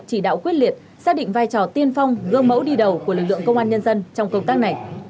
chỉ đạo quyết liệt xác định vai trò tiên phong gương mẫu đi đầu của lực lượng công an nhân dân trong công tác này